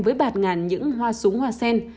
với bạt ngàn những hoa súng hoa sen